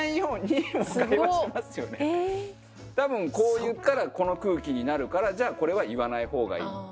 多分こう言ったらこの空気になるからじゃあこれは言わないほうがいい。